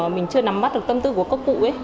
mình chưa nắm bắt được tâm tư của các cụ ấy